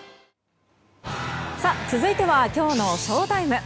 続いてはきょうのＳＨＯＴＩＭＥ。